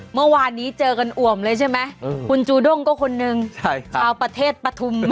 เมื่อวานนี้เจอกันอ่วมเลยใช่ไหมคุณจูด้งก็คนหนึ่งชาวประเทศปฐุม